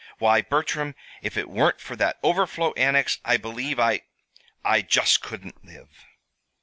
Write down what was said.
Why, Bertram, if it weren't for that Overflow Annex I believe I I just couldn't live!"